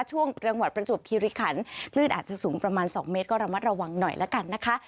ช่วงจังหวัดประจวบคิริขันคลื่นอาจจะสูงประมาณ๒เมตรก็ระมัดระวังหน่อยละกันนะคะ